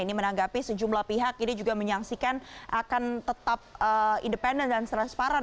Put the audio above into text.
ini menanggapi sejumlah pihak ini juga menyaksikan akan tetap independen dan transparan